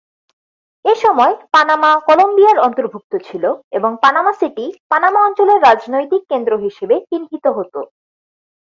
এসময় পানামা কলম্বিয়ার অন্তর্ভুক্ত ছিল এবং পানামা সিটি পানামা অঞ্চলের রাজনৈতিক কেন্দ্র হিসেবে চিহ্নিত হতো।